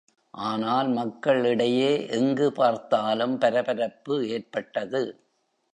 ஆனால், மக்கள் இடையே எங்கு பார்த்தாலும் பரபரப்பு ஏற்பட்டது.